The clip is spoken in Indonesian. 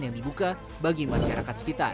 yang dibuka bagi masyarakat sekitar